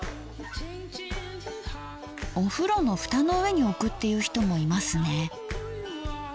お風呂のフタの上に置くっていう人もいますね。